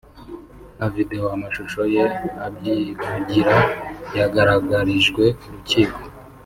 na video (amashusho) ye abyivugira yagaragarijwe urukiko